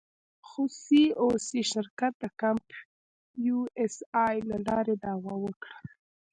خو سي او سي شرکت د کمپ یو اس اې له لارې دعوه وکړه.